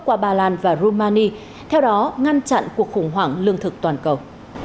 qua bà lan và rumania theo đó ngăn chặn cuộc khủng hoảng lương thực toàn cầu